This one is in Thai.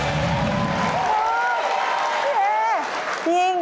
พี่เอ๋จริง